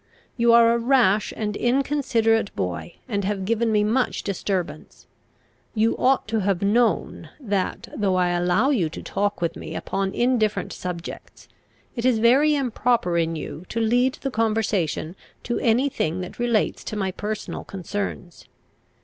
You are a rash and inconsiderate boy, and have given me much disturbance. You ought to have known that, though I allow you to talk with me upon indifferent subjects, it is very improper in you to lead the conversation to any thing that relates to my personal concerns.